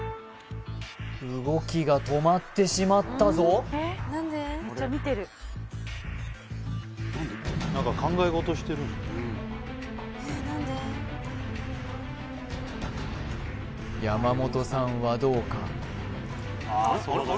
動きが止まってしまったぞ山本さんはどうか？